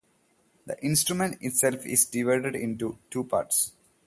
The instrument itself is divided into two parts.